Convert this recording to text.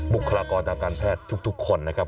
เบื้องต้น๑๕๐๐๐และยังต้องมีค่าสับประโลยีอีกนะครับ